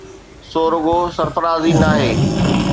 سو رڳو سرفراز ئي ناهي،